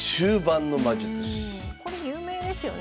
これ有名ですよね。